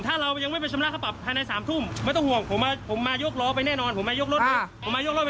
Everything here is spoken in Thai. ถ้าเรายังไม่เป็นชำระครับปรับภายในสามทุ่มไม่ต้องห่วงผมมาผมมายกรอไปแน่นอนผมมายกรอไป